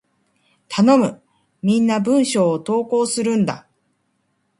頼む！みんな文章を投稿するんだ！